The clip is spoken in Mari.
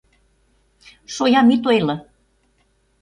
Шоям ит ойло.